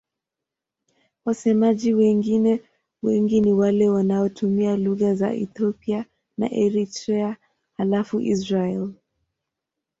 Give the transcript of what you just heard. Wasemaji wengine wengi ni wale wanaotumia lugha za Ethiopia na Eritrea halafu Israel.